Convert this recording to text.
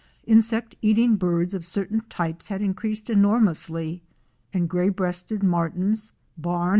Insect eating birds of certain types had increased enormously, and Gray breasted Martins,"* Barn"!